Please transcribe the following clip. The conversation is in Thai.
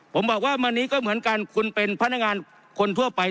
ผมบอกว่าวันนี้ก็เหมือนกันคุณเป็นพนักงานคนทั่วไป